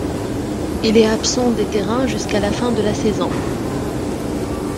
Il est absent des terrains jusqu'à la fin de la saison.